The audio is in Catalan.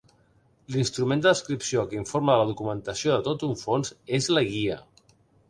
L'instrument de descripció que informa de la documentació de tot un fons és la guia.